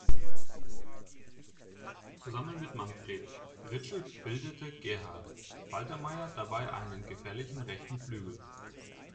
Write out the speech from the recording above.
Zusammen mit Manfred Ritschel bildete Gerhard Faltermeier dabei einen gefährlichen rechten Flügel.